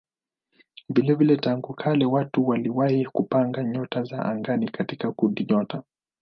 Vilevile tangu kale watu waliwahi kupanga nyota za angani katika kundinyota.